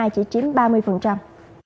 chỉ chiếm ba mươi